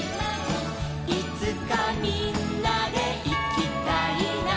「いつかみんなでいきたいな」